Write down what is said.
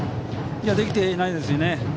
できてないですよね。